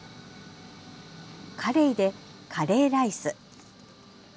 カレイでカレーライス。